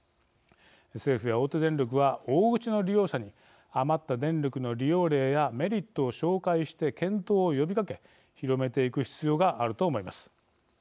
政府や大手電力は大口の利用者に余った電力の利用例やメリットを紹介して検討を呼びかけ広めていく必要があると思います。